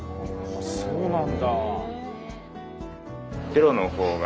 そうなんだ。